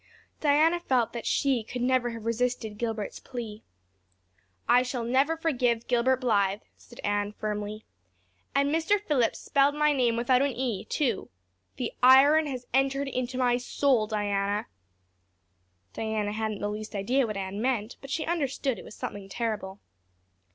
Diana felt that she could never have resisted Gilbert's plea. "I shall never forgive Gilbert Blythe," said Anne firmly. "And Mr. Phillips spelled my name without an e, too. The iron has entered into my soul, Diana." Diana hadn't the least idea what Anne meant but she understood it was something terrible.